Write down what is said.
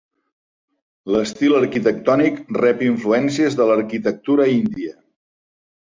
L'estil arquitectònic rep influències de l'arquitectura índia.